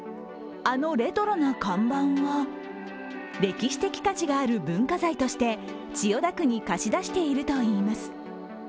あのレトロな看板は、歴史的価値がある文化財として千代田区に貸し出しているといいます。